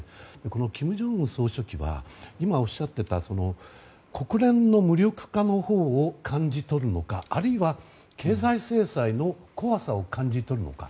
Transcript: この金正恩総書記は今、おっしゃっていた国連の無力化のほうを感じ取るのかあるいは経済制裁の怖さを感じ取るのか。